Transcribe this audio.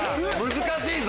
難しいぞ！